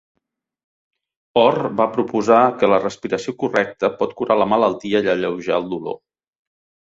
Orr va proposar que la respiració correcta pot curar la malaltia i alleujar el dolor.